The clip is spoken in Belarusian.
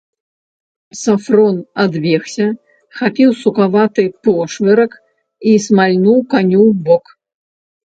Сафрон адбегся, хапіў сукаваты пошвырак і смальнуў каню ў бок.